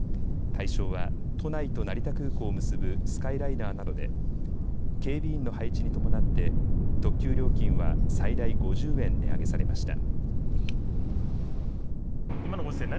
対象は都内と成田空港を結ぶスカイライナーなどで警備員の配置に伴って特急料金は最大５０円、値上げされました。